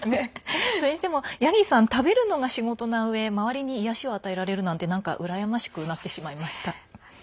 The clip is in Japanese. それにしても、ヤギさん食べるのが仕事なうえ周りに癒やしを与えられるなんてなんか羨ましくなってしまいました。